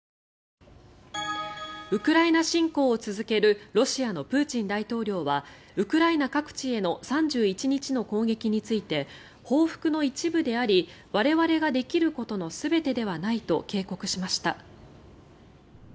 ウクライナ侵攻を続けるロシアのプーチン大統領はウクライナ各地への３１日の攻撃について報復の一部であり我々ができることの全てではないと警告しました。